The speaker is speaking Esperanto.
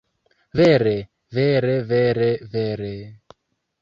Vere, vere vere vere...